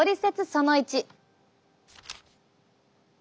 その１。